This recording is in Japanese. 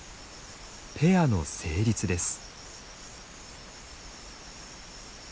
ペアの成立です。